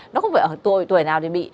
nó không phải là tuổi nào thì bị